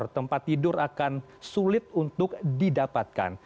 tempat tidur akan sulit untuk didapatkan